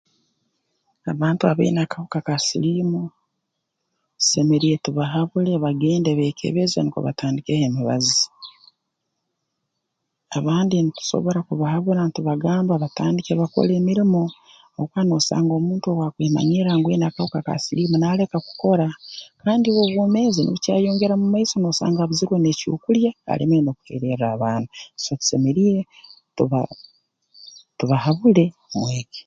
Abantu abaine akahuka ka siliimu tusemeriire tubahabule bagende beekebeze nukwo batandikeho emibazi abandi ntusobora kubahabura ntubagamba batandike bakole emirimo habwokuba noosanga omuntu owaakwemanyirra ngu aine akahuka ka siliimu naaleka kukora kandi bwo obwomeezi nubukyayeyongera mu maiso noosanga abuzirwe n'ekyokulya alemere n'okuhererra abaana so tusemeriire tuba tubahabule mu eki